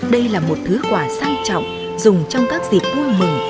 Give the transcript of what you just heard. đây là một thứ quà sang trọng dùng trong các dịp vui mừng